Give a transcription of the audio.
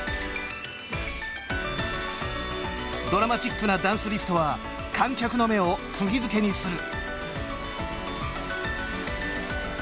ドラマチックなダンスリフトは観客の目をくぎ付けにする。